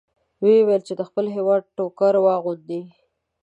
ویې ویل چې د خپل هېواد ټوکر واغوندئ.